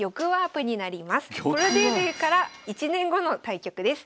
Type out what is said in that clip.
プロデビューから１年後の対局です。